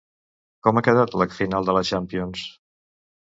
Com ha quedat la final de la Champions?